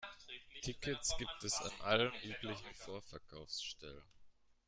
Tickets gibt es an allen üblichen Vorverkaufsstellen.